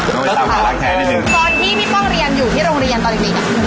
ตอนที่มิดฟองเรียนอยู่ที่โรงเรียนตอนอีกนึงอ่ะ